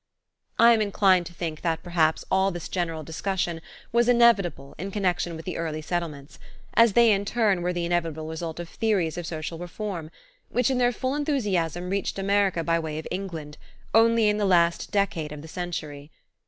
I am inclined to think that perhaps all this general discussion was inevitable in connection with the early Settlements, as they in turn were the inevitable result of theories of social reform, which in their full enthusiasm reached America by way of England, only in the last decade of the century.